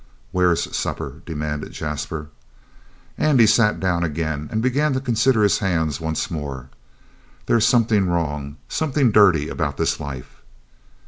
"Where's supper?" demanded Jasper. Andy sat down again, and began to consider his hands once more. "There's something wrong something dirty about this life."